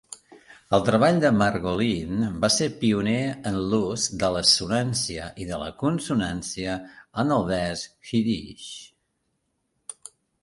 El treball de Margolin va ser pioner en l'ús de l'assonància i la consonància en el vers jiddisch.